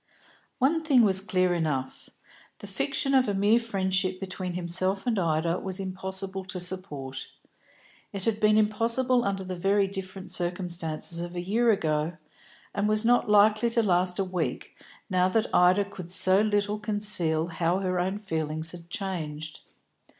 One thing was clear enough. The fiction of a mere friendship between himself and Ida was impossible to support. It had been impossible under the very different circumstances of a year ago, and was not likely to last a week, now that Ida could so little conceal how her own feelings had changed.